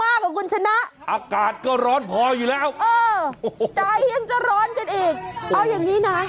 กับคุณชนะอากาศก็ร้อนพออยู่แล้วเออใจยังจะร้อนกันอีกเอาอย่างนี้นะ